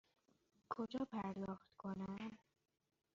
کجا پرداخت کنم؟